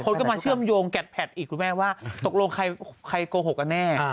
คนก็มาเชื่อมโยงแกดแพทอีกคุณแม่ว่าตกลงใครโกหกกันแน่